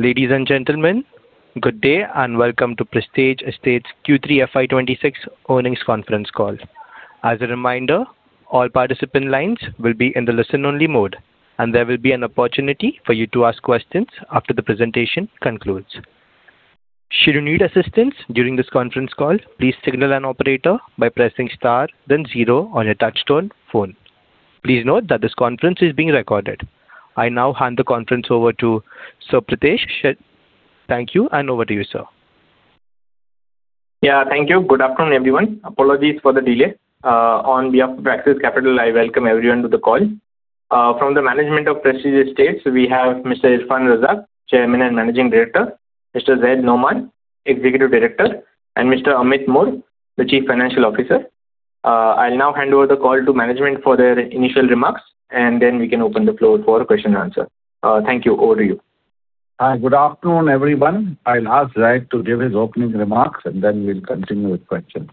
Ladies and gentlemen, good day, and welcome to Prestige Estates Q3 FY 2026 Earnings Conference Call. As a reminder, all participant lines will be in the listen-only mode, and there will be an opportunity for you to ask questions after the presentation concludes. Should you need assistance during this conference call, please signal an operator by pressing star, then zero on your touchtone phone. Please note that this conference is being recorded. I now hand the conference over to Sir Pritesh. Thank you, and over to you, sir. Yeah, thank you. Good afternoon, everyone. Apologies for the delay. On behalf of Axis Capital, I welcome everyone to the call. From the management of Prestige Estates, we have Mr. Irfan Razack, Chairman and Managing Director, Mr. Zaid Sadiq, Executive Director, and Mr. Amit Mor, the Chief Financial Officer. I'll now hand over the call to management for their initial remarks, and then we can open the floor for a question and answer. Thank you. Over to you. Hi, good afternoon, everyone. I'll ask Zaid to give his opening remarks, and then we'll continue with questions.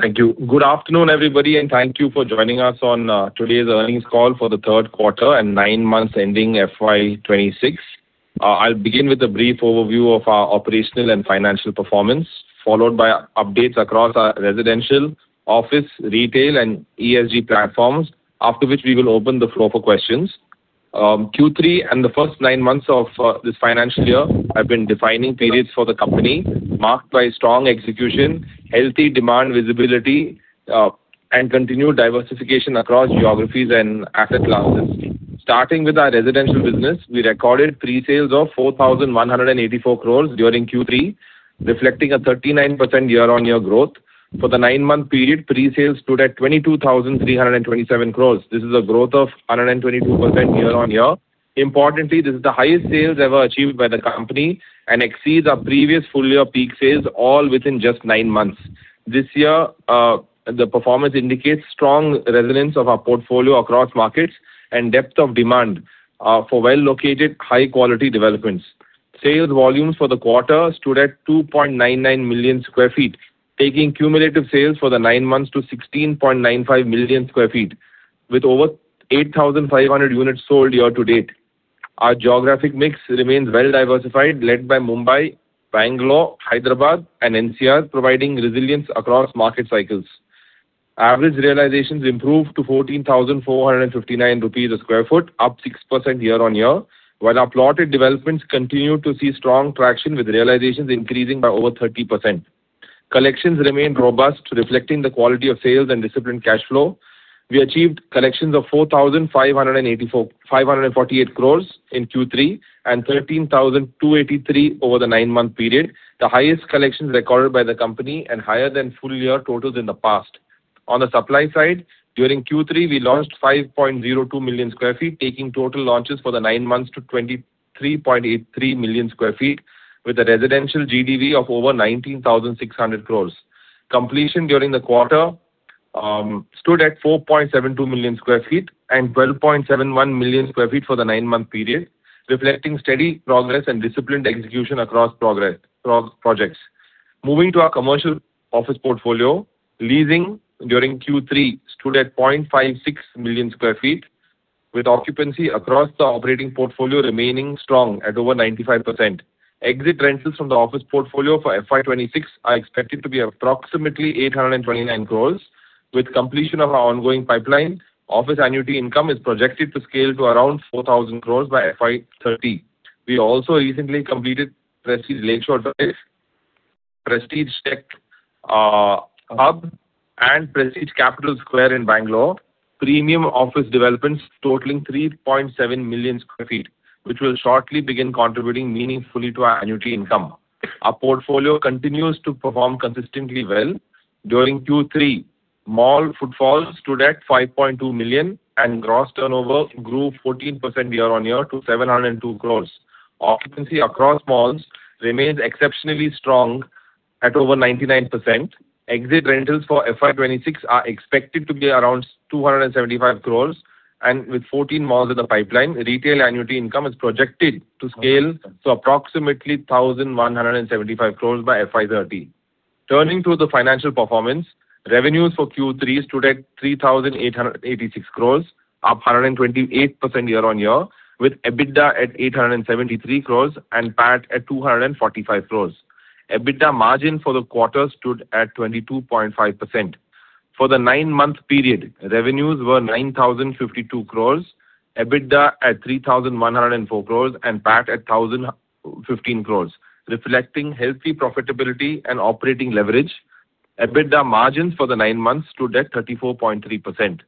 Thank you. Good afternoon, everybody, and thank you for joining us on today's earnings call for the third quarter and nine months ending FY 2026. I'll begin with a brief overview of our operational and financial performance, followed by updates across our residential, office, retail, and ESG platforms, after which we will open the floor for questions. Q3 and the first nine months of this financial year have been defining periods for the company, marked by strong execution, healthy demand visibility, and continued diversification across geographies and asset classes. Starting with our residential business, we recorded pre-sales of 4,184 crores during Q3, reflecting a 39% year-on-year growth. For the nine-month period, pre-sales stood at 22,327 crores. This is a growth of 122% year-on-year. Importantly, this is the highest sales ever achieved by the company and exceeds our previous full year peak sales, all within just 9 months. This year, the performance indicates strong resonance of our portfolio across markets and depth of demand, for well-located, high-quality developments. Sales volumes for the quarter stood at 2.99 million sq ft, taking cumulative sales for the 9 months to 16.95 million sq ft, with over 8,500 units sold year to date. Our geographic mix remains well-diversified, led by Mumbai, Bangalore, Hyderabad and NCR, providing resilience across market cycles. Average realizations improved to 14,459 rupees per sq ft, up 6% year-on-year, while our plotted developments continue to see strong traction, with realizations increasing by over 30%. Collections remained robust, reflecting the quality of sales and disciplined cash flow. We achieved collections of 4,584 crores in Q3 and 13,283 crores over the nine-month period, the highest collections recorded by the company and higher than full year totals in the past. On the supply side, during Q3, we launched 5.02 million sq ft, taking total launches for the nine months to 23.83 million sq ft, with a residential GDV of over 19,600 crores. Completion during the quarter stood at 4.72 million sq ft and 12.71 million sq ft for the nine-month period, reflecting steady progress and disciplined execution across our projects. Moving to our commercial office portfolio, leasing during Q3 stood at 0.56 million sq ft, with occupancy across the operating portfolio remaining strong at over 95%. Exit rentals from the office portfolio for FY 2026 are expected to be approximately 829 crores, with completion of our ongoing pipeline. Office annuity income is projected to scale to around 4,000 crores by FY 2030. We also recently completed Prestige Lake Ridge, Prestige Tech Hub and Prestige Capitol in Bangalore. Premium office developments totaling 3.7 million sq ft, which will shortly begin contributing meaningfully to our annuity income. Our portfolio continues to perform consistently well. During Q3, mall footfall stood at 5.2 million, and gross turnover grew 14% year-on-year to 702 crores. Occupancy across malls remains exceptionally strong at over 99%. Exit rentals for FY 2026 are expected to be around 275 crore, and with 14 malls in the pipeline, retail annuity income is projected to scale to approximately 1,175 crore by FY 2030. Turning to the financial performance, revenues for Q3 stood at 3,886 crore, up 128% year-on-year, with EBITDA at 873 crore and PAT at 245 crore. EBITDA margin for the quarter stood at 22.5%. For the nine-month period, revenues were 9,052 crore, EBITDA at 3,104 crore and PAT at 1,015 crore, reflecting healthy profitability and operating leverage. EBITDA margins for the nine months stood at 34.3%.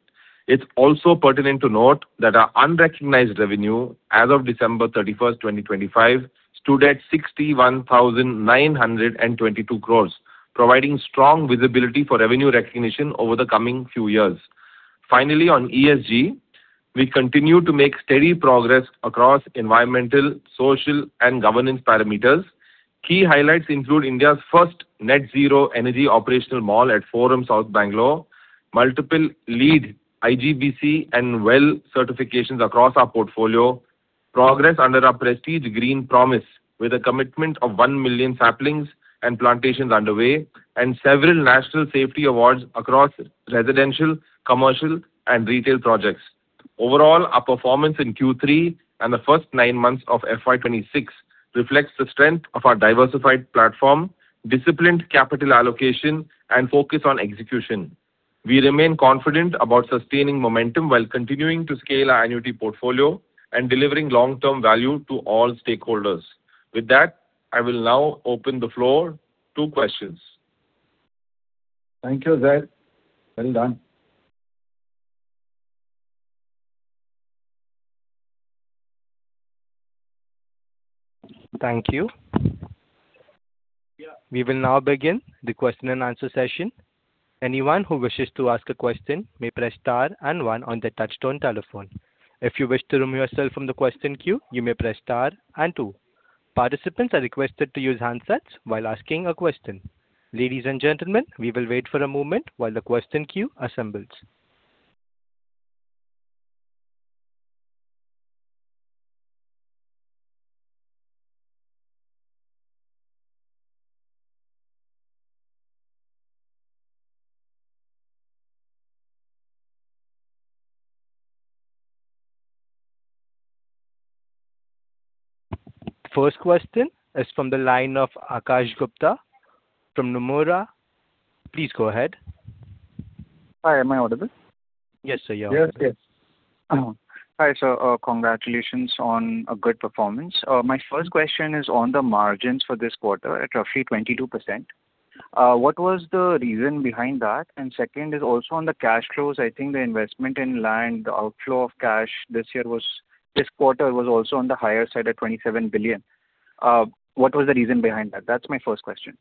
It's also pertinent to note that our unrecognized revenue as of December 31, 2025, stood at 61,922 crore, providing strong visibility for revenue recognition over the coming few years. Finally, on ESG, we continue to make steady progress across environmental, social and governance parameters. Key highlights include India's first Net Zero energy operational mall at Forum South Bengaluru, multiple LEED IGBC and WELL certifications across our portfolio. Progress under our Prestige Green Promise, with a commitment of 1 million saplings and plantations underway and several national safety awards across residential, commercial and retail projects. Overall, our performance in Q3 and the first nine months of FY 2026 reflects the strength of our diversified platform, disciplined capital allocation, and focus on execution. We remain confident about sustaining momentum while continuing to scale our annuity portfolio and delivering long-term value to all stakeholders. With that, I will now open the floor to questions. Thank you, Zaid. Well done! Thank you. We will now begin the question and answer session. Anyone who wishes to ask a question may press star and one on their touchtone telephone. If you wish to remove yourself from the question queue, you may press star and two. Participants are requested to use handsets while asking a question. Ladies and gentlemen, we will wait for a moment while the question queue assembles. First question is from the line of Akash Gupta from Nomura. Please go ahead. Hi, am I audible? Yes, sir, you are. Yes, yes. Hi, sir. Congratulations on a good performance. My first question is on the margins for this quarter at roughly 22%. What was the reason behind that? Second is also on the cash flows. I think the investment in land, the outflow of cash this quarter was also on the higher side at 27 billion. What was the reason behind that? That's my first question.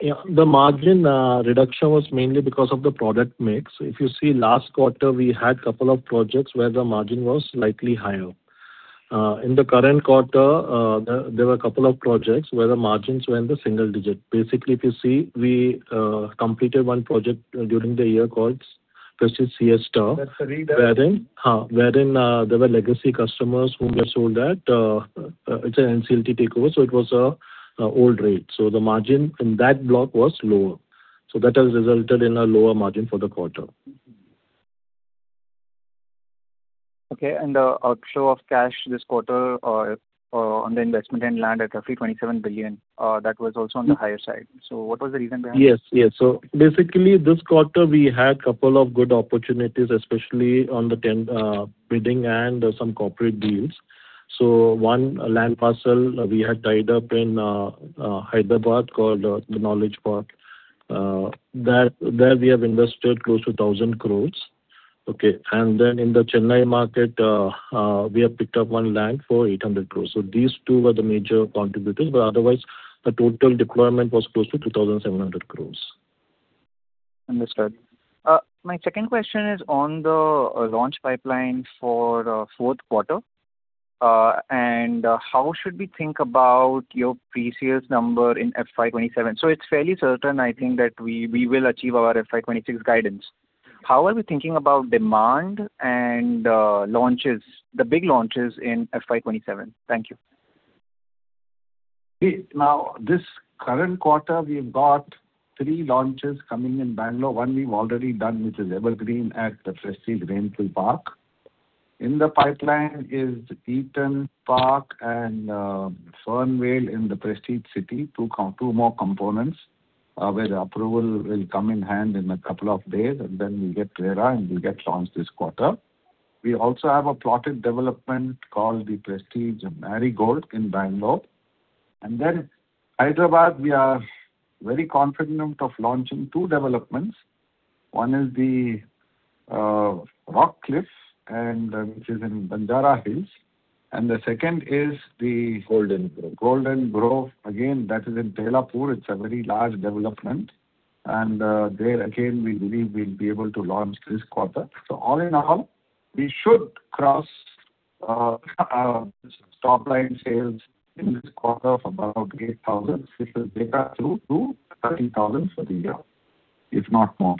Yeah. The margin reduction was mainly because of the product mix. If you see last quarter, we had couple of projects where the margin was slightly higher. In the current quarter, there were a couple of projects where the margins were in the single digit. Basically, if you see, we completed one project during the year called Prestige Siesta- That's right. Wherein there were legacy customers whom we have sold at, it's an NCLT takeover, so it was a old rate. So that has resulted in a lower margin for the quarter. Okay. And, outflow of cash this quarter, on the investment in land at roughly 27 billion, that was also on the higher side. So what was the reason behind it? Yes. Yes. So basically, this quarter we had couple of good opportunities, especially on the 10, bidding and some corporate deals. So one land parcel we had tied up in, Hyderabad, called, the Knowledge Park. There we have invested close to 1,000 crores, okay? And then in the Chennai market, we have picked up one land for 800 crores. So these two were the major contributors, but otherwise, the total deployment was close to 2,700 crores. Understood. My second question is on the launch pipeline for fourth quarter. And how should we think about your pre-sales number in FY 2027? So it's fairly certain, I think, that we will achieve our FY 2026 guidance. How are we thinking about demand and launches, the big launches in FY 2027? Thank you. Now, this current quarter, we've got three launches coming in Bangalore. One we've already done, which is Evergreen, at the Prestige Raintree Park. In the pipeline is Eden Park and Fernvale in the Prestige City, two more components, where the approval will come in hand in a couple of days, and then we get RERA, and we get launched this quarter. We also have a plotted development called the Prestige Marigold in Bangalore. And then Hyderabad, we are very confident of launching two developments. One is the Rock Cliff, which is in Banjara Hills, and the second is the- Golden Grove. Golden Grove. Again, that is in Tellapur. It's a very large development, and there again, we believe we'll be able to launch this quarter. So all in all, we should cross top line sales in this quarter of about 8,000, which will take us through to 30,000 for the year, if not more.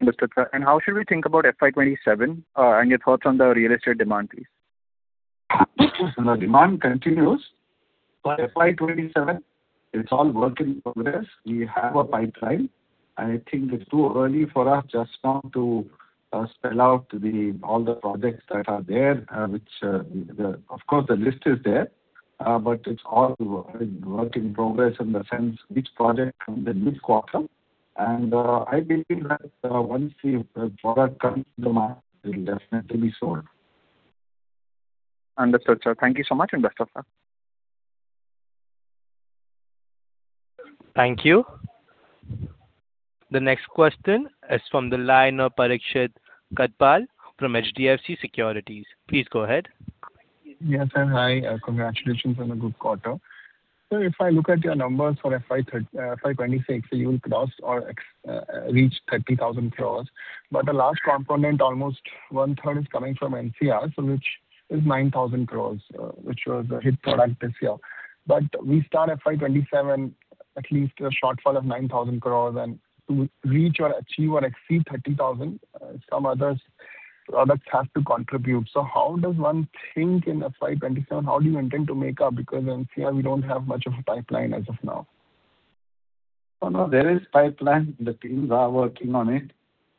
Understood, sir. How should we think about FY27, and your thoughts on the real estate demand, please? The demand continues, but FY 27, it's all work in progress. We have a pipeline, and I think it's too early for us just now to spell out all the projects that are there, which, of course, the list is there, but it's all work in progress in the sense which project and in which quarter. And I believe that once the product comes to market, it will definitely be sold. Understood, sir. Thank you so much, and best of luck. Thank you. The next question is from the line of Parikshit Kandpal from HDFC Securities. Please go ahead. Yes, and hi, congratulations on a good quarter. So if I look at your numbers for FY 2026, you will cross or reach 30,000 crore. But the large component, almost one third, is coming from NCR, so which is 9,000 crore, which was a hit product this year. But we start FY 2027, at least a shortfall of 9,000 crore, and to reach or achieve or exceed 30,000 crore, some other products have to contribute. So how does one think in FY 2027, how do you intend to make up? Because in NCR, we don't have much of a pipeline as of now. Oh, no, there is pipeline. The teams are working on it.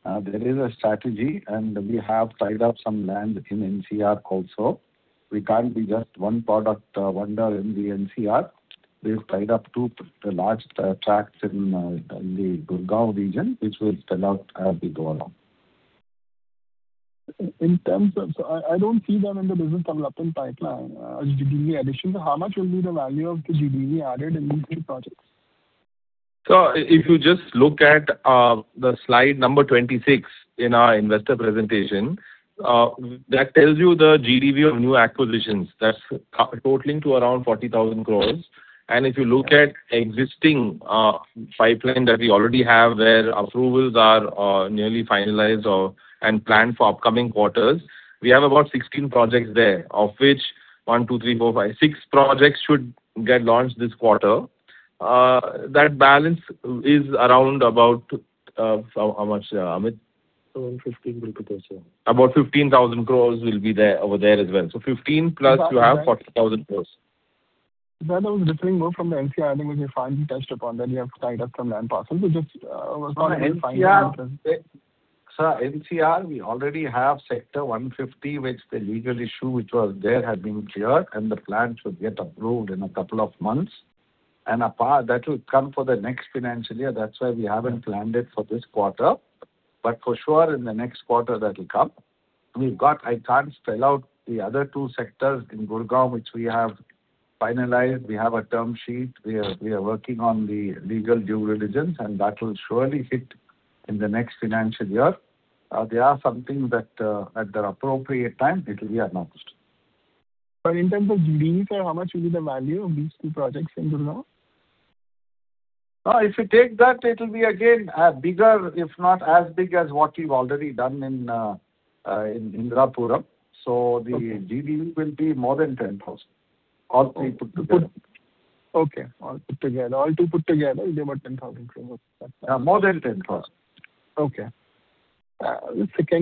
There is a strategy, and we have tied up some land in NCR also. We can't be just one product, wonder in the NCR. We have tied up two large, tracts in, in the Gurgaon region, which will sell out as we go along. So I don't see them in the business development pipeline, GDV additions. So how much will be the value of the GDV added in these two projects? Sir, if you just look at the slide number 26 in our investor presentation, that tells you the GDV of new acquisitions. That's totaling to around 40,000 crore. And if you look at existing pipeline that we already have, where approvals are nearly finalized or and planned for upcoming quarters, we have about 16 projects there, of which 1, 2, 3, 4, 5, 6 projects should get launched this quarter. That balance is around about how much, Amit? Around INR 15 billion. About 15,000 crore will be there, over there as well. So 15 plus you have 40,000 crore. That was different more from the NCR, I think, which you finally touched upon, that you have tied up some land parcels, which is NCR. Sir, NCR, we already have Sector 150, which the legal issue which was there, had been cleared, and the plan should get approved in a couple of months. And apart, that will come for the next financial year, that's why we haven't planned it for this quarter. But for sure, in the next quarter, that will come. We've got, I can't spell out the other two sectors in Gurgaon, which we have finalized. We have a term sheet. We are, we are working on the legal due diligence, and that will surely hit in the next financial year. They are something that, at the appropriate time, it will be announced. In terms of GDV, how much will be the value of these two projects in Gurgaon? If you take that, it will be again, a bigger, if not as big as what we've already done in Indirapuram. Okay. So the GDV will be more than 10,000. All three put together. Okay. All put together will be about 10,000 crore. More than 10,000. Okay. Can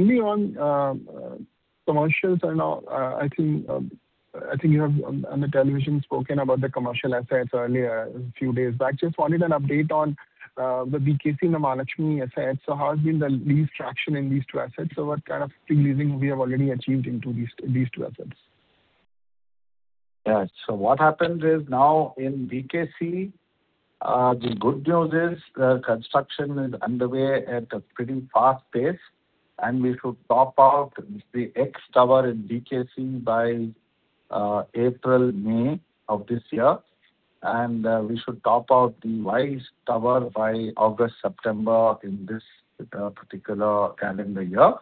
we on, commercials and all, I think, I think you have on, on the television spoken about the commercial assets earlier, a few days back. Just wanted an update on, the BKC Prestige Liberty Towers assets. So how has been the lease traction in these two assets? So what kind of pre-leasing we have already achieved into these, these two assets? Yes. So what happens is, now in BKC, the good news is, the construction is underway at a pretty fast pace, and we should top out the X tower in BKC by April, May of this year. And we should top out the Y tower by August, September, in this particular calendar year.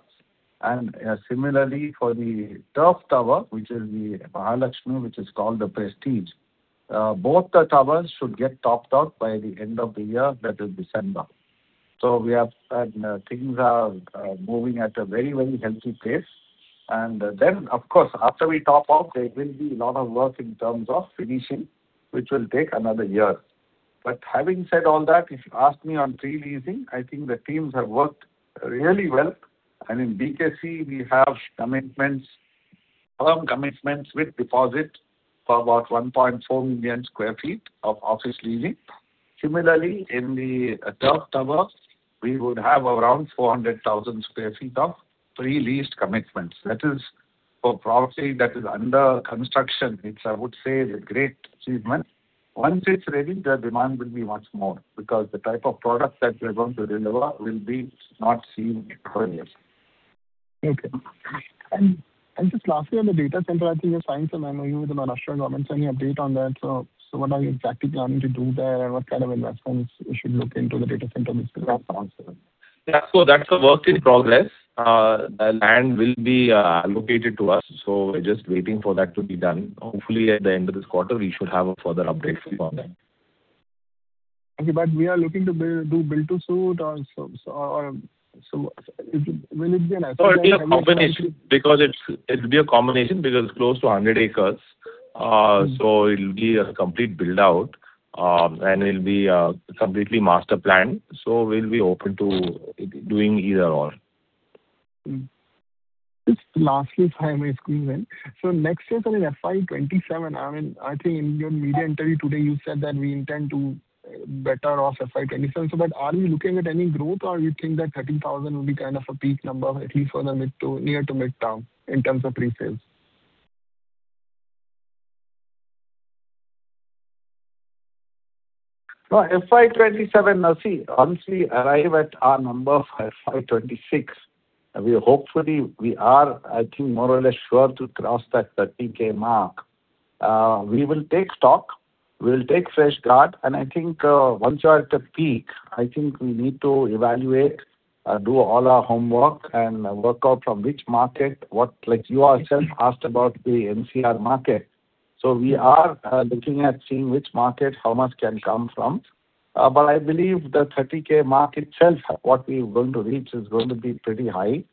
And similarly for the third tower, which is the Prestige Liberty Towers, which is called The Prestige, both the towers should get topped out by the end of the year, that is December. So we have things are moving at a very, very healthy pace. And then, of course, after we top out, there will be a lot of work in terms of finishing, which will take another year. But having said all that, if you ask me on pre-leasing, I think the teams have worked really well. In BKC, we have commitments, firm commitments with deposit for about 1.4 million sq ft of office leasing. Similarly, in the third tower, we would have around 400,000 sq ft of pre-leased commitments. That is, a property that is under construction, which I would say is a great achievement. Once it's ready, the demand will be much more, because the type of product that we're going to deliver will be not seen in previous. Okay. And just lastly, on the data center, I think you signed some MOU with the Maharashtra government. So any update on that? So what are you exactly planning to do there, and what kind of investments you should look into the data center which we have announced? Yeah. So that's a work in progress. The land will be allocated to us, so we're just waiting for that to be done. Hopefully, at the end of this quarter, we should have a further update on that. Okay. But we are looking to build-to-suit or so. Will it be an It'll be a combination, because it's close to 100 acres. So it'll be a complete build-out, and it'll be completely master planned. So we'll be open to doing either or. Just lastly, if I may squeeze in. So next year, so in FY 2027, I mean, I think in your media interview today, you said that we intend to better off FY 2027. So but are we looking at any growth, or you think that 30,000 will be kind of a peak number, at least for the mid- to near-term, in terms of pre-sales? No, FY 2027, now see, once we arrive at our number for FY 2026, we hopefully we are, I think, more or less sure to cross that 30K mark. We will take stock, we'll take fresh start, and I think, once you are at the peak, I think we need to evaluate, do all our homework, and work out from which market, what-- Like you also asked about the NCR market. So we are, looking at seeing which market, how much can come from. But I believe the 30K mark itself, what we're going to reach, is going to be pretty high.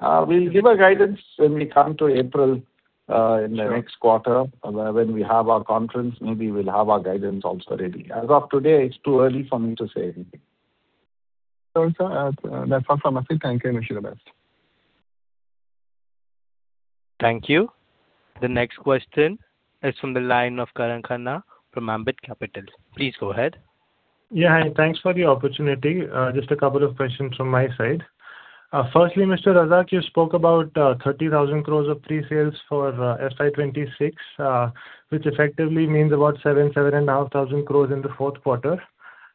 We'll give a guidance when we come to April, Sure. In the next quarter, when we have our conference, maybe we'll have our guidance also ready. As of today, it's too early for me to say anything. So, sir, that's all from my side. Thank you, and wish you the best. Thank you. The next question is from the line of Karan Khanna from Ambit Capital. Please go ahead. Yeah, hi, thanks for the opportunity. Just a couple of questions from my side. Firstly, Mr. Razack, you spoke about 30,000 crore of pre-sales for FY 2026, which effectively means about 7,000 crore-7,500 crore in the fourth quarter.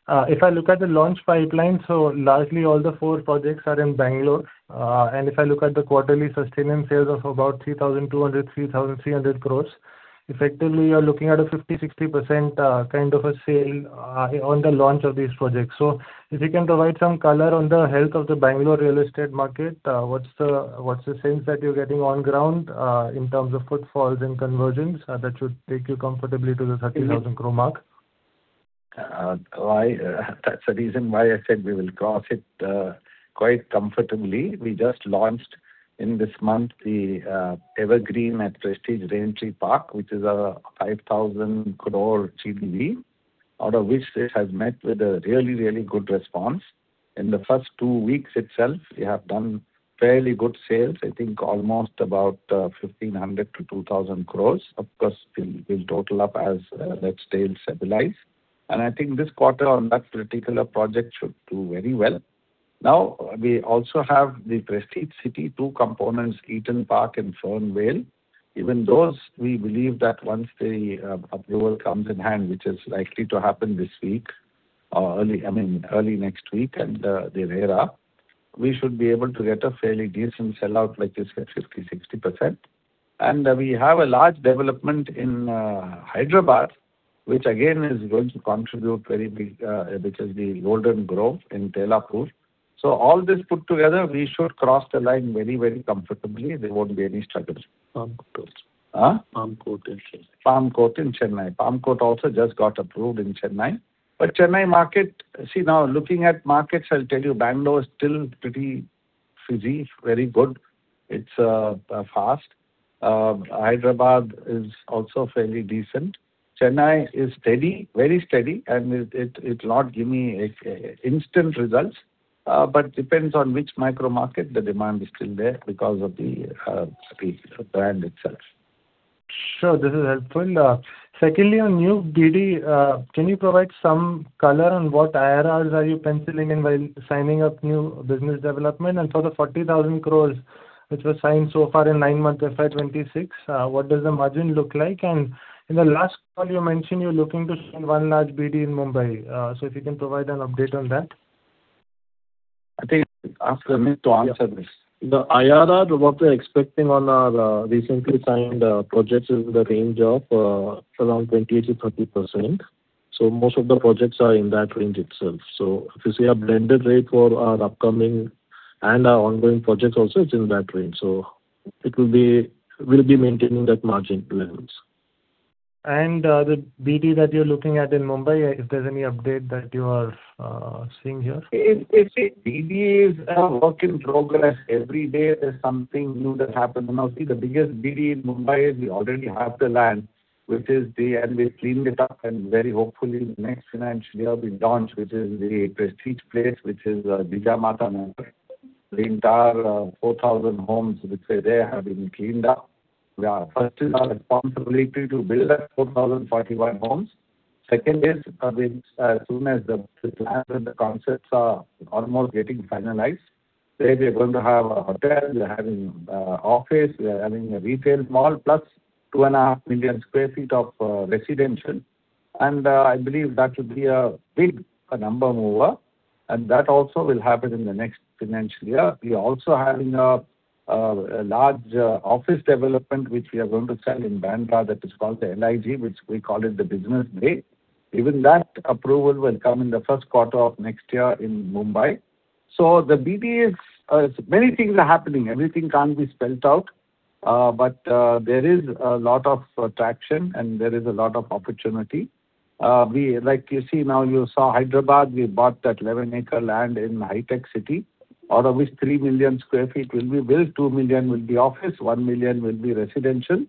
If I look at the launch pipeline, so largely all the four projects are in Bangalore. And if I look at the quarterly sustaining sales of about 3,200 crore-3,300 crore, effectively, you're looking at a 50%-60% kind of a sale on the launch of these projects. If you can provide some color on the health of the Bangalore real estate market, what's the sense that you're getting on ground, in terms of footfalls and conversions, that should take you comfortably to the 30,000 crore mark? I, that's the reason why I said we will cross it quite comfortably. We just launched in this month the Evergreen at Prestige Raintree Park, which is an 5,000 crore GDV, out of which this has met with a really, really good response. In the first two weeks itself, we have done fairly good sales, I think almost about 1,500 crore-2,000 crore. Of course, we'll total up as that sales stabilize. And I think this quarter on that particular project should do very well. Now, we also have the Prestige City, two components, Eden Park and Fernvale. Even those, we believe that once the approval comes in hand, which is likely to happen this week, or early, I mean, early next week, and they're here up, we should be able to get a fairly decent sellout, like it's at 50%-60%. And we have a large development in Hyderabad, which again, is going to contribute very big, which is the Golden Grove in Tellapur. So all this put together, we should cross the line very, very comfortably. There won't be any struggles. Palm Court. Uh? Palm Court in Chennai. Palm Court in Chennai. Palm Court also just got approved in Chennai. But Chennai market... See, now, looking at markets, I'll tell you, Bangalore is still pretty fizzy, very good. It's fast. Hyderabad is also fairly decent. Chennai is steady, very steady, and it'll not give me an instant results, but depends on which micro market, the demand is still there because of the brand itself. Sure, this is helpful. Secondly, on new BD, can you provide some color on what IRRs are you penciling in by signing up new business development? And for the 40,000 crore rupees, which was signed so far in 9 months, FY 2026, what does the margin look like? And in the last call, you mentioned you're looking to sign 1 large BD in Mumbai. So if you can provide an update on that. I think, ask Amit to answer this. The IRR, what we're expecting on our, recently signed, projects is in the range of, around 20%-30%. So most of the projects are in that range itself. So if you see a blended rate for our upcoming and our ongoing projects also, it's in that range. So it will be- we'll be maintaining that margin levels. The BD that you're looking at in Mumbai, if there's any update that you are seeing here? BD is a work in progress. Every day, there's something new that happened. Now, see, the biggest BD in Mumbai is we already have the land, which is the and we've cleaned it up, and very hopefully, in the next financial year, we launch, which is the Prestige Jijamata Nagar, which is Jijamata Nagar. The entire, four thousand homes which are there have been cleaned up. Yeah. First, is our responsibility to build that 4,041 homes. Second is, the, as soon as the, the plans and the concepts are almost getting finalized, there we are going to have a hotel, we are having, office, we are having a retail mall, plus 2.5 million sq ft of, residential. I believe that will be a big number mover, and that also will happen in the next financial year. We're also having a large office development, which we are going to sell in Bandra, that is called the MIG, which we call it the Business Bay. Even that approval will come in the first quarter of next year in Mumbai. So the BD is many things are happening. Everything can't be spelled out, but there is a lot of traction, and there is a lot of opportunity. Like you see now, you saw Hyderabad, we bought that 11-acre land in HITEC City, out of which 3 million sq ft will be built. 2 million will be office, 1 million will be residential.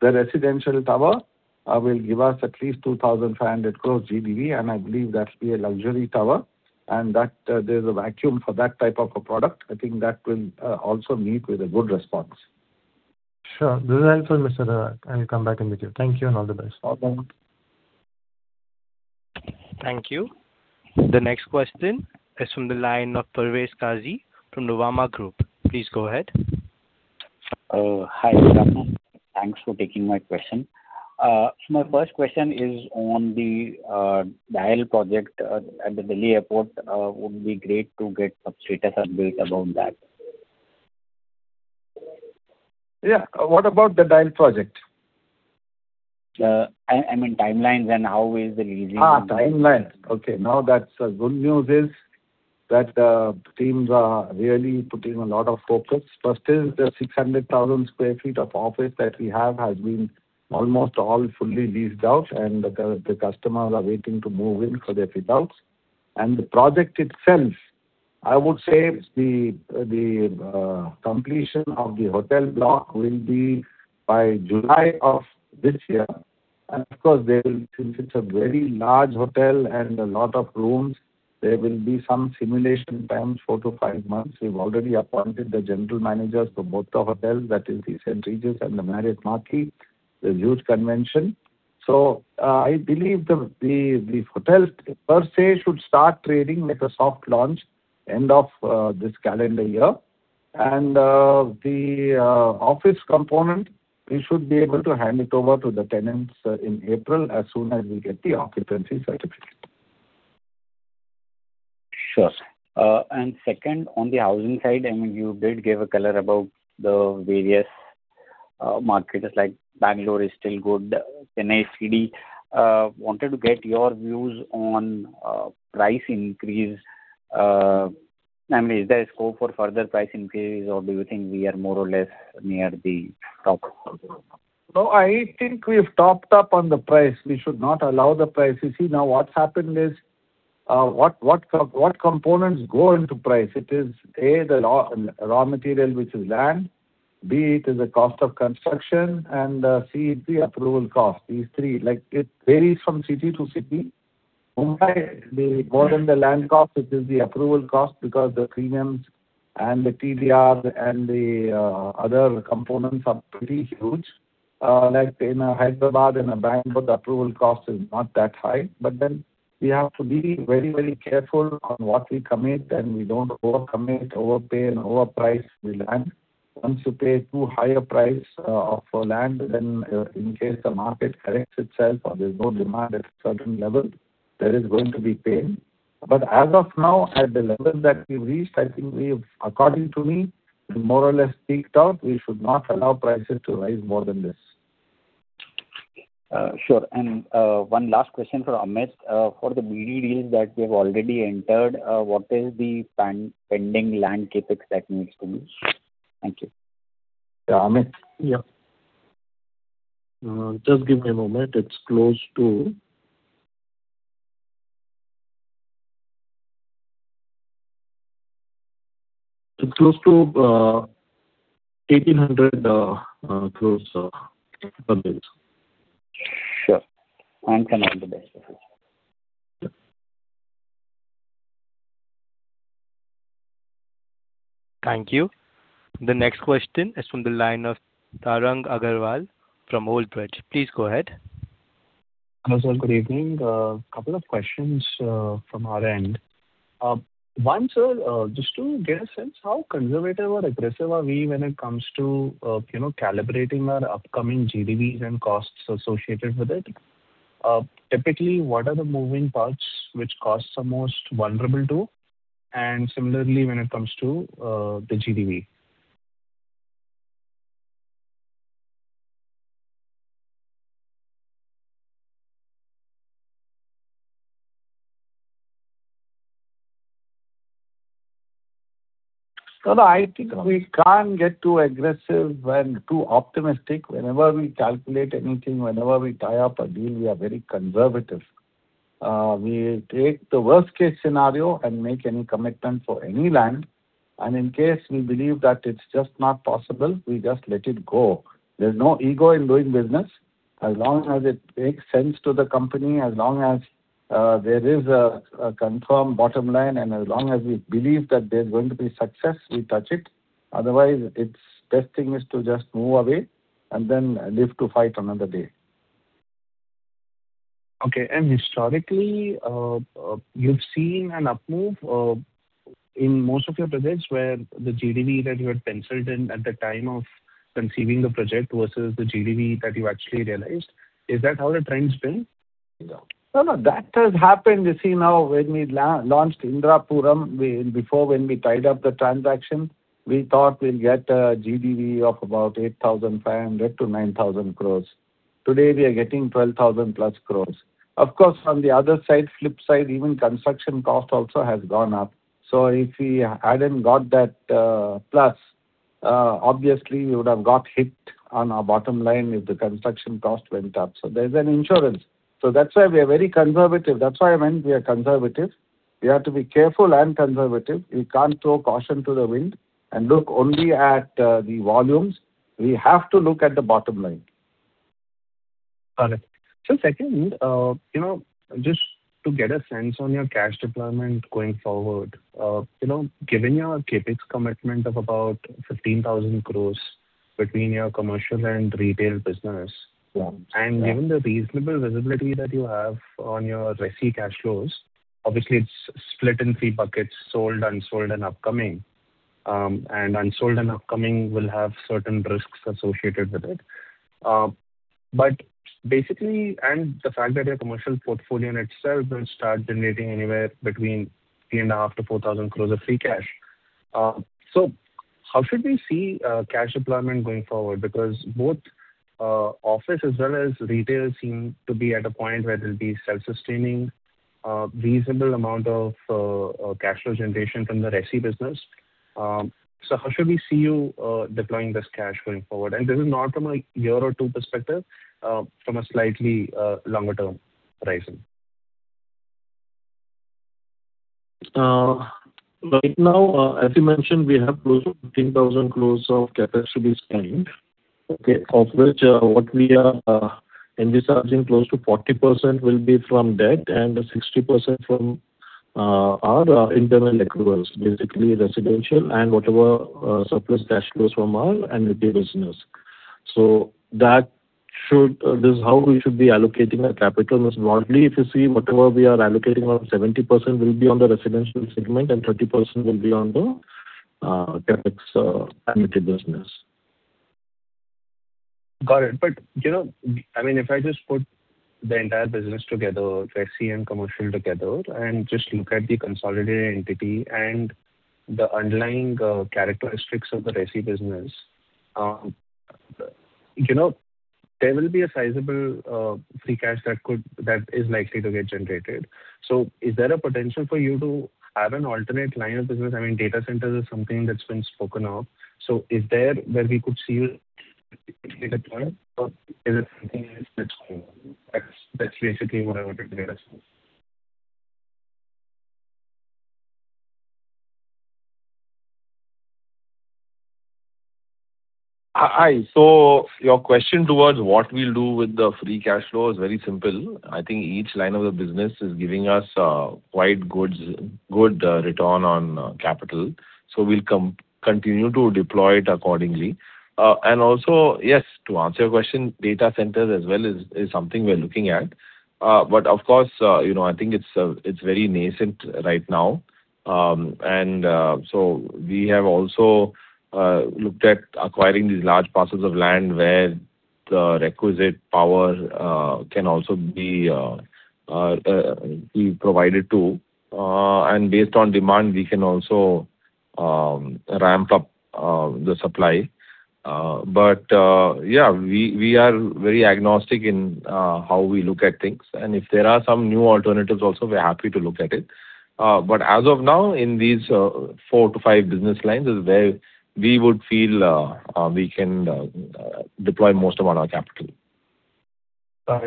The residential tower will give us at least 2,500 crore GDV, and I believe that will be a luxury tower, and that there's a vacuum for that type of a product. I think that will also meet with a good response. Sure. This is helpful, Mr. Razack. I'll come back in with you. Thank you, and all the best. Welcome. Thank you. The next question is from the line of Parvez Qazi from Nuvama Group. Please go ahead. Hi, Razack. Thanks for taking my question. My first question is on the DIAL project at the Delhi airport. Would be great to get some status update about that. Yeah. What about the DIAL project? I mean, timelines and how is the leasing- Ah, timelines. Okay, now that's good news is that the teams are really putting a lot of focus. First is the 600,000 sq ft of office that we have has been almost all fully leased out, and the customers are waiting to move in for their fit outs. And the project itself I would say it's the completion of the hotel block will be by July of this year. And of course, there will since it's a very large hotel and a lot of rooms there will be some simulation time, 4-5 months. We've already appointed the general managers for both the hotels, that is, the St. Regis and the Marriott Marquis, the huge convention. So, I believe the hotels, per se, should start trading, like a soft launch, end of this calendar year. The office component, we should be able to hand it over to the tenants in April, as soon as we get the occupancy certificate. Sure, sir. Second, on the housing side, I mean, you did give a color about the various markets, like Bangalore is still good, Chennai CD. Wanted to get your views on price increase. I mean, is there a scope for further price increases, or do you think we are more or less near the top? No, I think we've topped up on the price. We should not allow the price... You see, now, what's happened is, what components go into price? It is, A, the raw material, which is land, B, it is the cost of construction, and, C, it's the approval cost. These three. Like, it varies from city to city. Mumbai, they more than the land cost, it is the approval cost, because the premiums and the TDR and the other components are pretty huge. Like in Hyderabad and Bangalore, the approval cost is not that high. But then we have to be very, very careful on what we commit, and we don't over-commit, overpay, and overprice the land. Once you pay too high a price for land, then in case the market corrects itself or there's no demand at a certain level, there is going to be pain. But as of now, at the level that we've reached, I think, according to me, we've more or less peaked out. We should not allow prices to rise more than this. Sure. And, one last question for Amit. For the BD deals that we have already entered, what is the pending land CapEx that needs to be? Thank you. Yeah, Amit? Yeah. Just give me a moment. It's close to INR 1,800 crore. Sure. And all the best. Yeah. Thank you. The next question is from the line of Tarang Agrawal from Old Bridge Capital. Please go ahead. Hello, sir, good evening. Couple of questions from our end. One, sir, just to get a sense, how conservative or aggressive are we when it comes to, you know, calibrating our upcoming GDVs and costs associated with it? Typically, what are the moving parts which costs are most vulnerable to? And similarly, when it comes to the GDV. No, no, I think we can't get too aggressive and too optimistic. Whenever we calculate anything, whenever we tie up a deal, we are very conservative. We take the worst case scenario and make any commitment for any land, and in case we believe that it's just not possible, we just let it go. There's no ego in doing business. As long as it makes sense to the company, as long as there is a confirmed bottom line, and as long as we believe that there's going to be success, we touch it. Otherwise, it's best thing is to just move away and then live to fight another day. Okay. Historically, you've seen an upmove in most of your projects, where the GDV that you had penciled in at the time of conceiving the project versus the GDV that you actually realized, is that how the trend's been? No, no, that has happened. You see, now, when we launched Indirapuram, before when we tied up the transaction, we thought we'll get a GDV of about 8,500-9,000 crores. Today, we are getting 12,000+ crores. Of course, on the other side, flip side, even construction cost also has gone up. So if we hadn't got that plus, obviously we would have got hit on our bottom line if the construction cost went up. So there's an insurance. So that's why we are very conservative. That's why I meant we are conservative. We have to be careful and conservative. We can't throw caution to the wind and look only at the volumes. We have to look at the bottom line. Got it. So second, you know, just to get a sense on your cash deployment going forward, you know, given your CapEx commitment of about 15,000 crore between your commercial and retail business- Yeah. Given the reasonable visibility that you have on your resi cash flows, obviously it's split in three buckets, sold, unsold, and upcoming. Unsold and upcoming will have certain risks associated with it. Basically... The fact that your commercial portfolio in itself will start generating anywhere between 3,500 crore-4,000 crore of free cash. So how should we see cash deployment going forward? Because both, office as well as retail seem to be at a point where there'll be self-sustaining, reasonable amount of, cash flow generation from the resi business. So how should we see you deploying this cash going forward? This is not from a year or two perspective, from a slightly, longer term horizon. Right now, as you mentioned, we have close to 15,000 crore of capital to be spent, okay? Of which, what we are envisaging close to 40% will be from debt, and 60% from our internal accruals, basically residential and whatever surplus cash flows from our amenity business. So that should this is how we should be allocating our capital. Most broadly, if you see whatever we are allocating, around 70% will be on the residential segment and 30% will be on the CapEx amenity business. Got it. But, you know, I mean, if I just put the entire business together, resi and commercial together, and just look at the consolidated entity and the underlying characteristics of the resi business, you know, there will be a sizable free cash that is likely to get generated. So is there a potential for you to have an alternate line of business? I mean, data centers is something that's been spoken of. So is there where we could see you or is it something else that's going on? That's basically what I wanted to get answer. Hi. So your question towards what we'll do with the free cash flow is very simple. I think each line of the business is giving us quite good return on capital. So we'll continue to deploy it accordingly. And also, yes, to answer your question, data centers as well is something we're looking at. But of course, you know, I think it's very nascent right now. And so we have also looked at acquiring these large parcels of land where the requisite power can also be provided to. And based on demand, we can also ramp up the supply. But yeah, we are very agnostic in how we look at things. And if there are some new alternatives also, we're happy to look at it. But as of now, in these 4-5 business lines is where we would feel we can deploy most of our capital.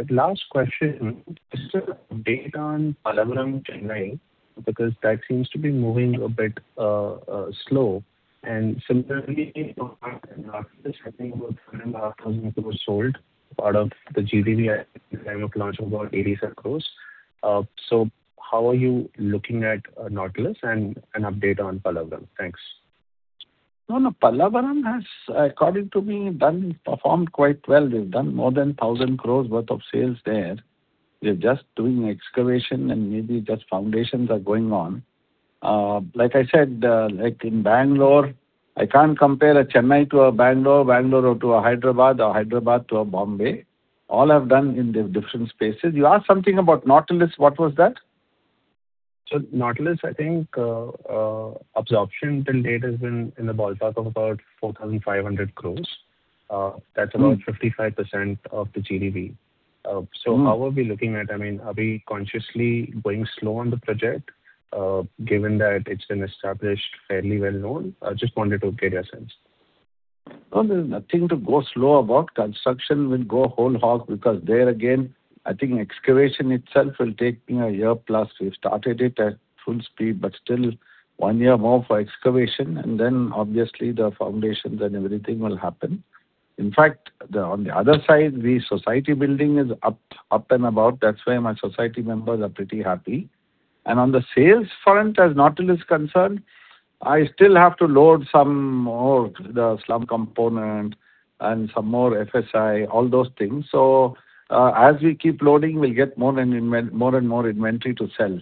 Last question. Is there an update on Pallavaram, Chennai? Because that seems to be moving a bit slow. And similarly, in Nautilus, I think about 3,500 crore were sold out of the GDV at the time of launch, about 87 crore. So how are you looking at Nautilus and an update on Pallavaram? Thanks. No, no, Pallavaram has, according to me, done, performed quite well. They've done more than 1,000 crore worth of sales there. They're just doing excavation and maybe just foundations are going on. Like I said, like in Bangalore, I can't compare a Chennai to a Bangalore, Bangalore to a Hyderabad or Hyderabad to a Bombay. All have done in the different spaces. You asked something about Nautilus. What was that? So Nautilus, I think, absorption till date has been in the ballpark of about 4,500 crore that's about 55% of the GDV. So how are we looking at I mean, are we consciously going slow on the project, given that it's been established, fairly well known? I just wanted to get a sense. No, there's nothing to go slow about. Construction will go whole hog, because there again, I think excavation itself will take me a year plus. We've started it at full speed, but still one year more for excavation, and then obviously the foundations and everything will happen. In fact, on the other side, the society building is up and about. That's why my society members are pretty happy. And on the sales front, as Nautilus is concerned, I still have to load some more the slum component and some more FSI, all those things. So, as we keep loading, we'll get more and more inventory to sell.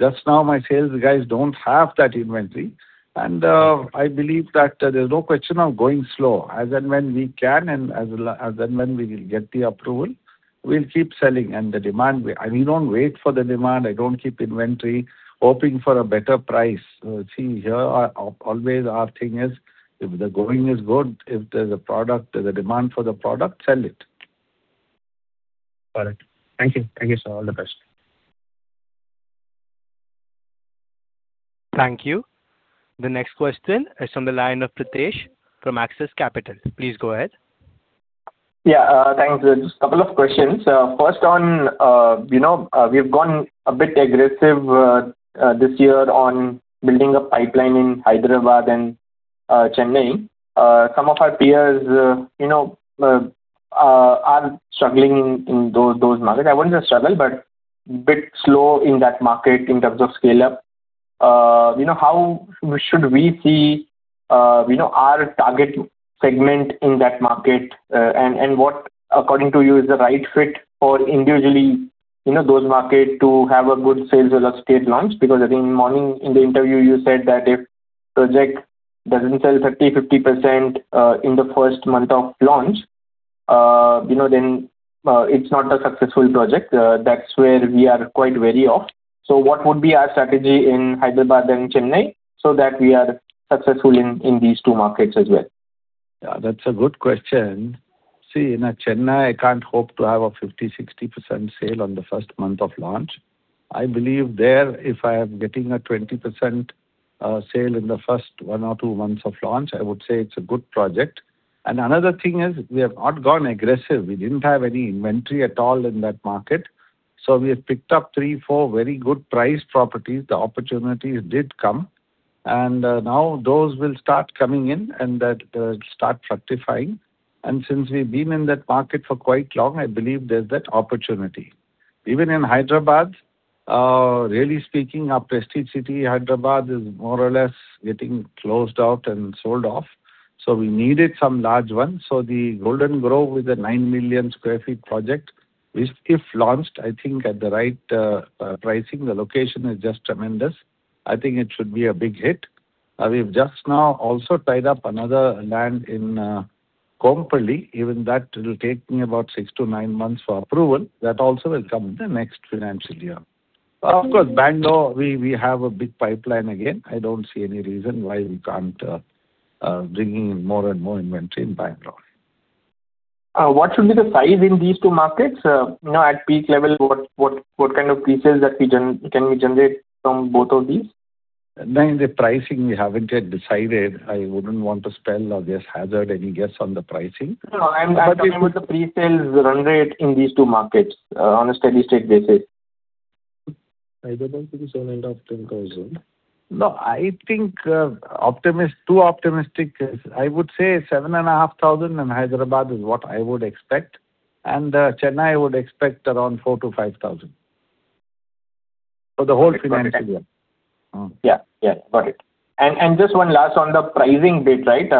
Just now, my sales guys don't have that inventory, and I believe that there's no question of going slow. As and when we can and as and when we will get the approval, we'll keep selling. And the demand, and we don't wait for the demand, I don't keep inventory hoping for a better price. See, here, always our thing is, if the going is good, if there's a product, there's a demand for the product, sell it. Got it. Thank you. Thank you, sir. All the best. Thank you. The next question is from the line of Pritesh from Axis Capital. Please go ahead. Yeah, thanks. Just a couple of questions. First on, you know, we've gone a bit aggressive, this year on building a pipeline in Hyderabad and, Chennai. Some of our peers, you know, are struggling in, in those markets. I wouldn't say struggle, but a bit slow in that market in terms of scale-up. You know, how should we see, you know, our target segment in that market? And what, according to you, is the right fit for individually, you know, those markets to have a good sales or launch? Because I think morning in the interview, you said that if project doesn't sell 30%-50%, in the first month of launch, you know, then, it's not a successful project. That's where we are quite wary of. What would be our strategy in Hyderabad and Chennai, so that we are successful in these two markets as well? Yeah, that's a good question. See, in, Chennai, I can't hope to have a 50-60% sale on the first month of launch. I believe there, if I am getting a 20%, sale in the first one or two months of launch, I would say it's a good project. And another thing is, we have not gone aggressive. We didn't have any inventory at all in that market, so we have picked up 3-4 very good priced properties. The opportunities did come, and, now those will start coming in and that, start fructifying. And since we've been in that market for quite long, I believe there's that opportunity. Even in Hyderabad, really speaking, our Prestige City, Hyderabad, is more or less getting closed out and sold off. So we needed some large ones, so the Golden Grove with a 9 million sq ft project, which if launched, I think at the right pricing, the location is just tremendous. I think it should be a big hit. We've just now also tied up another land in Kompally. Even that, it'll take me about 6-9 months for approval. That also will come in the next financial year. Of course, Bangalore, we have a big pipeline again. I don't see any reason why we can't bringing in more and more inventory in Bangalore. What should be the size in these two markets? You know, at peak level, what kind of pre-sales can we generate from both of these? The pricing we haven't yet decided. I wouldn't want to speculate or just hazard any guess on the pricing. No, I'm talking about the pre-sales run rate in these two markets, on a steady state basis. Hyderabad is around 10,000. No, I think optimistic, too optimistic. I would say 7,500 in Hyderabad is what I would expect, and Chennai, I would expect around 4,000-5,000. For the whole financial year. Yeah. Yeah, got it. And just one last on the pricing bit, right?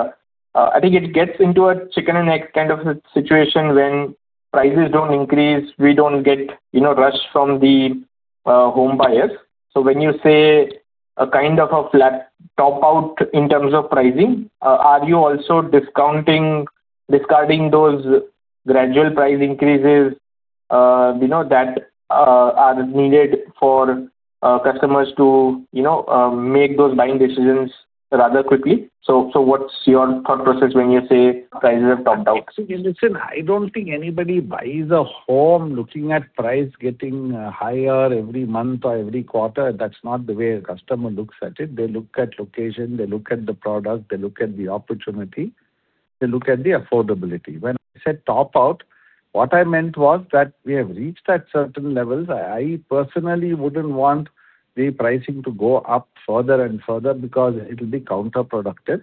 I think it gets into a chicken and egg kind of a situation when prices don't increase, we don't get, you know, rush from the home buyers. So when you say a kind of a flat top-out in terms of pricing, are you also discounting, discarding those gradual price increases, you know, that are needed for customers to, you know, make those buying decisions rather quickly? So what's your thought process when you say prices have topped out? Actually, listen, I don't think anybody buys a home looking at price getting higher every month or every quarter. That's not the way a customer looks at it. They look at location, they look at the product, they look at the opportunity, they look at the affordability. When I said top-out, what I meant was that we have reached at certain levels. I, I personally wouldn't want the pricing to go up further and further because it'll be counterproductive.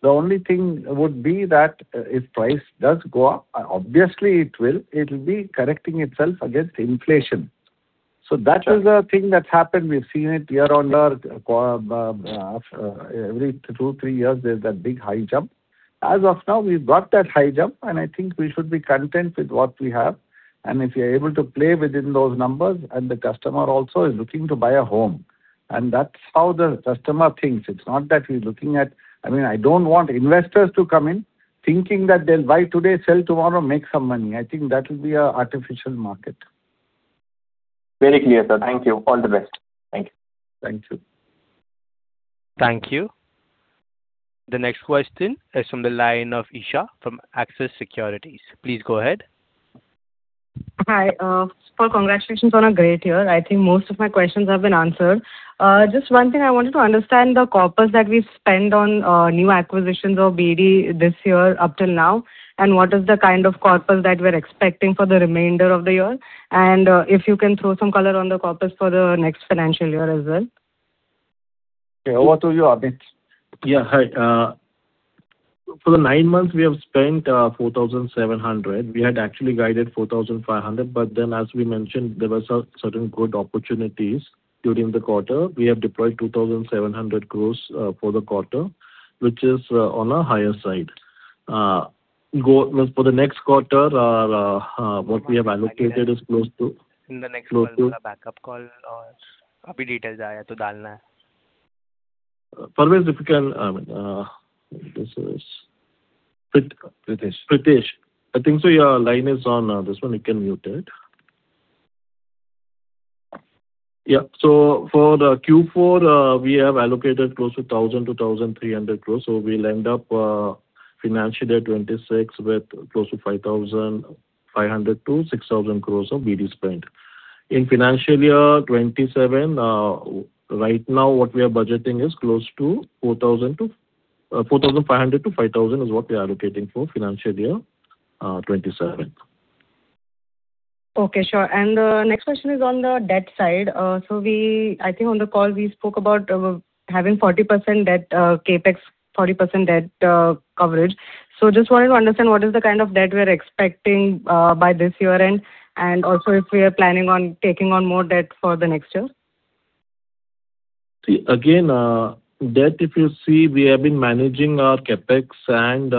The only thing would be that if price does go up, obviously it will, it'll be correcting itself against inflation. So that is the thing that's happened. We've seen it year on year every two, three years, there's that big high jump. As of now, we've got that high jump, and I think we should be content with what we have, and if we are able to play within those numbers, and the customer also is looking to buy a home. And that's how the customer thinks. It's not that we're looking at... I mean, I don't want investors to come in thinking that they'll buy today, sell tomorrow, make some money. I think that will be an artificial market. Very clear, sir. Thank you. All the best. Thank you. Thank you. Thank you. The next question is from the line of Eesha from Axis Securities. Please go ahead. Hi, sir, congratulations on a great year. I think most of my questions have been answered. Just one thing, I wanted to understand the corpus that we spend on, new acquisitions of BD this year up till now, and what is the kind of corpus that we're expecting for the remainder of the year? And, if you can throw some color on the corpus for the next financial year as well. Yeah, over to you, Abid. Yeah, hi. For the nine months, we have spent 4,700. We had actually guided 4,500, but then as we mentioned, there were certain good opportunities during the quarter. We have deployed 2,700 crores for the quarter, which is on a higher side. For the next quarter, what we have allocated is close to- In the next quarter, the backup call, copy details. Pritesh. I think, sir, your line is on, this one. You can mute it. Yeah. So for the Q4, we have allocated close to 1,000-1,300 crore, so we'll end up, financial year 2026 with close to 5,500-6,000 crore of BD spend. In financial year 2027, right now, what we are budgeting is close to 4,000 to 4,500 to 5,000 is what we are allocating for financial year 2027. Okay, sure. Next question is on the debt side. So, I think on the call we spoke about having 40% debt, CapEx, 40% debt coverage. So just wanted to understand what is the kind of debt we are expecting by this year end, and also if we are planning on taking on more debt for the next year. See, again, debt, if you see, we have been managing our CapEx and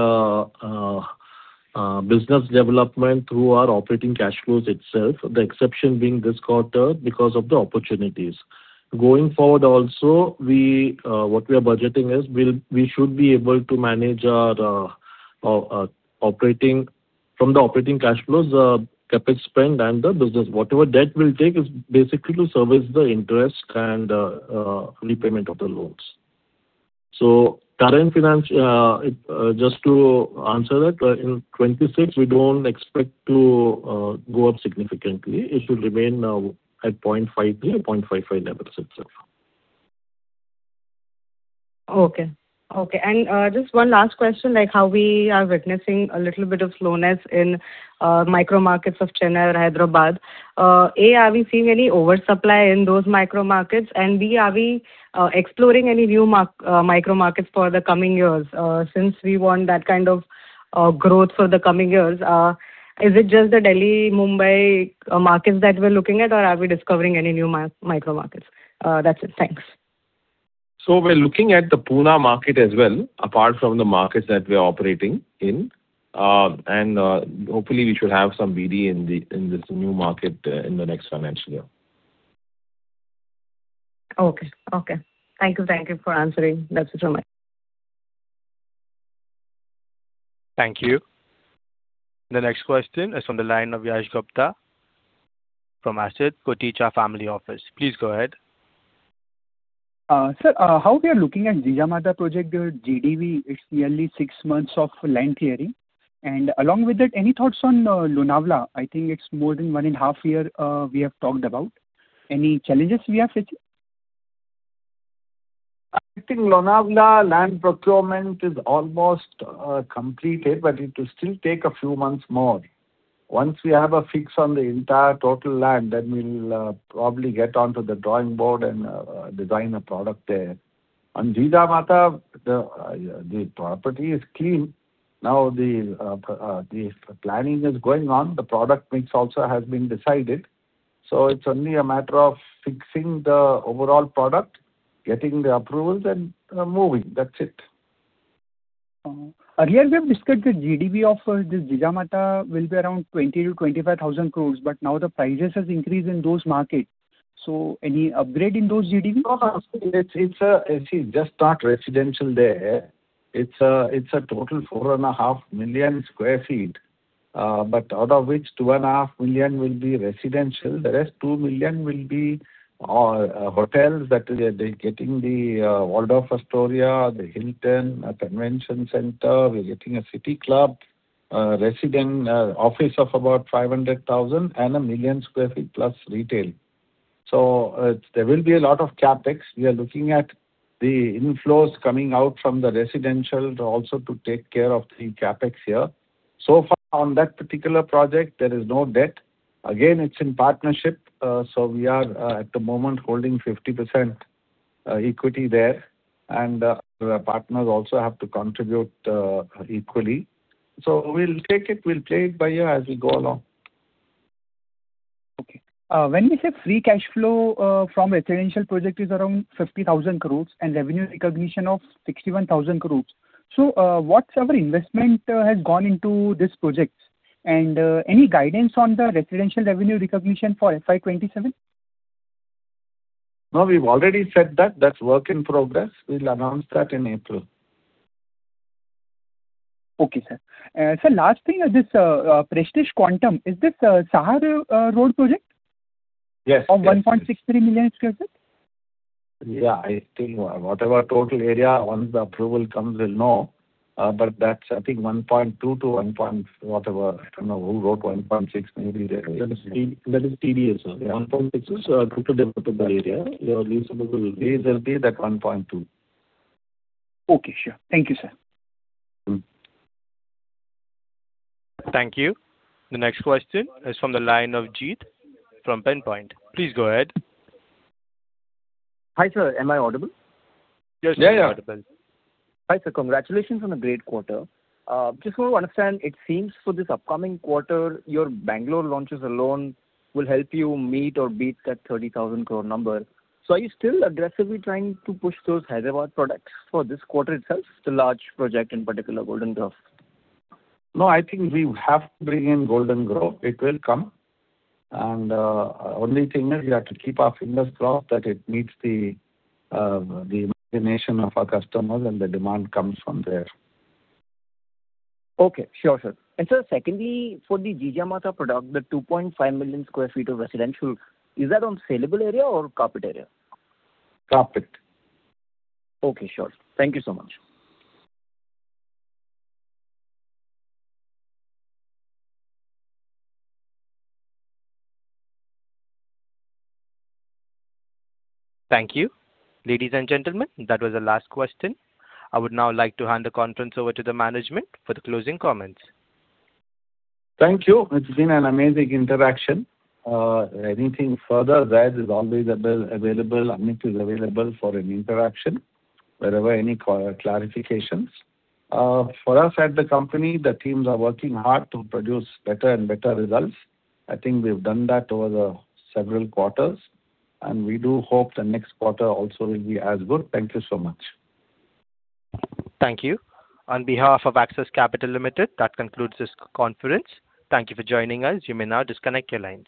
business development through our operating cash flows itself, the exception being this quarter because of the opportunities. Going forward, also, we, what we are budgeting is we'll- we should be able to manage our operating- From the operating cash flows, CapEx spend and the business, whatever debt we'll take is basically to service the interest and repayment of the loans. So current finance, just to answer that, in 2026, we don't expect to go up significantly. It should remain at 0.53-0.55 levels itself. Okay. Okay, and, just one last question, like, how we are witnessing a little bit of slowness in micro markets of Chennai or Hyderabad. A, are we seeing any oversupply in those micro markets? And, B, are we exploring any new micro markets for the coming years, since we want that kind of growth for the coming years? Is it just the Delhi, Mumbai markets that we're looking at, or are we discovering any new micro markets? That's it. Thanks. We're looking at the Pune market as well, apart from the markets that we are operating in. Hopefully, we should have some BD in this new market in the next financial year. Okay. Okay. Thank you. Thank you for answering. That's it from me. Thank you. The next question is from the line of Yash Gupta from Koticha Family Office. Please go ahead. Sir, how we are looking at Jijamata project GDV? It's nearly six months of land clearing. And along with that, any thoughts on, Lonavala? I think it's more than one and a half year, we have talked about. Any challenges we are facing? I think Lonavala land procurement is almost completed, but it will still take a few months more. Once we have a fix on the entire total land, then we'll probably get on to the drawing board and design a product there. On Jijamata, the property is clean. Now, the planning is going on, the product mix also has been decided. So it's only a matter of fixing the overall product, getting the approvals, and moving. That's it. Earlier we have discussed the GDV of this Jijamata will be around 20,000 crore-25,000 crore, but now the prices has increased in those markets. So any upgrade in those GDV? No, no. It's, it's, it is just not residential there. It's a total 4.5 million sq ft, but out of which, 2.5 million will be residential. The rest 2 million will be hotels, that they're getting the Waldorf Astoria, the Hilton, a convention center. We're getting a city club, residential office of about 500,000, and 1 million sq ft plus retail. So, there will be a lot of CapEx. We are looking at the inflows coming out from the residential, also to take care of the CapEx here. So far, on that particular project, there is no debt. Again, it's in partnership, so we are, at the moment, holding 50% equity there, and our partners also have to contribute equally. We'll take it, we'll play it by ear as we go along. Okay. When we said free cash flow from residential project is around 50,000 crore and revenue recognition of 61,000 crore, so, what other investment has gone into this project? Any guidance on the residential revenue recognition for FY 2027? No, we've already said that, that's work in progress. We'll announce that in April. Okay, sir. Sir, last thing is this, Prestige Quantum, is this Sahar Road project? Yes. Of 1.63 million sq ft? Yeah, I think whatever total area, once the approval comes, we'll know. But that's, I think, 1.2 to 1 point whatever. I don't know who wrote 1.6, That is TDA, sir. Yeah. 1.6 is total developable area. Your leasable will be exactly that 1.2. Okay, sure. Thank you, sir. Thank you. The next question is from the line of Jeet from Pinpoint. Please go ahead. Hi, sir. Am I audible? Yes. Yeah, yeah. Hi, sir. Congratulations on a great quarter. Just want to understand, it seems for this upcoming quarter, your Bangalore launches alone will help you meet or beat that 30,000 crore number. So are you still aggressively trying to push those Hyderabad products for this quarter itself, the large project, in particular, Golden Grove? No, I think we have to bring in Golden Grove. It will come. And, only thing is, we have to keep our fingers crossed that it meets the imagination of our customers, and the demand comes from there. Okay. Sure, sure. And sir, secondly, for the Jijamata product, the 2.5 million sq ft of residential, is that on saleable area or carpet area? Carpet. Okay, sure. Thank you so much. Thank you. Ladies and gentlemen, that was the last question. I would now like to hand the conference over to the management for the closing comments. Thank you. It's been an amazing interaction. Anything further, Raj is always available, Amit is available for an interaction, wherever any clarifications. For us, at the company, the teams are working hard to produce better and better results. I think we've done that over the several quarters, and we do hope the next quarter also will be as good. Thank you so much. Thank you. On behalf of Axis Capital Limited, that concludes this conference. Thank you for joining us. You may now disconnect your lines.